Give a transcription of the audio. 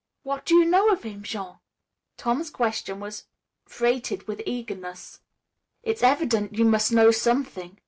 "What do you know of him, Jean!" Tom's question was freighted with eagerness. "It's evident you must know something."